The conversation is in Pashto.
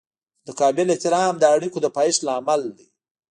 متقابل احترام د اړیکو د پایښت لامل دی.